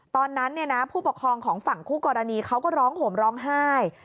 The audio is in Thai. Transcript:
ตอนนั้นผู้ปกครองของฝั่งคู่กรณีเขาก็ร้องห่มร้องไห้